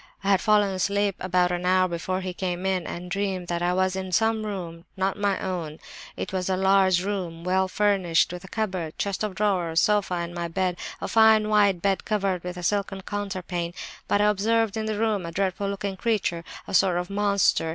I had fallen asleep about an hour before he came in, and dreamed that I was in some room, not my own. It was a large room, well furnished, with a cupboard, chest of drawers, sofa, and my bed, a fine wide bed covered with a silken counterpane. But I observed in the room a dreadful looking creature, a sort of monster.